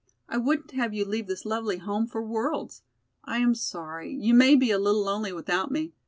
I wouldn't have you leave this lovely home for worlds! I am sorry, you may be a little lonely without me.